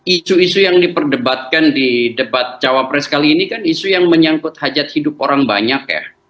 isu isu yang diperdebatkan di debat cawapres kali ini kan isu yang menyangkut hajat hidup orang banyak ya